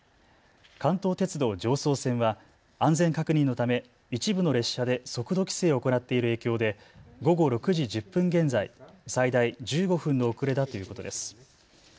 関東鉄道常総線は安全確認のため一部の列車で速度規制を行っている影響で午後６時１０分現在、最大１５分の遅れだということです。